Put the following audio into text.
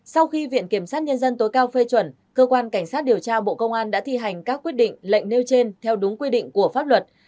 sau khi viện kiểm sát nhân dân tối cao phê chuẩn cơ quan cảnh sát điều tra bộ công an đã thi hành các quyết định lệnh nêu trên theo đúng quy định của pháp luật